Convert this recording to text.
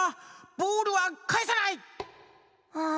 ボールはかえさない！